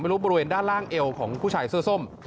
รู้บริเวณด้านล่างเอวของผู้ชายเสื้อส้ม